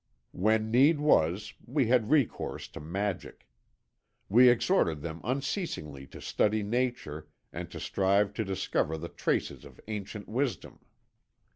When need was, we had recourse to magic. We exhorted them unceasingly to study nature and to strive to discover the traces of ancient wisdom.